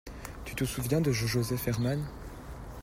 Tu te souviens de Joseph Herman?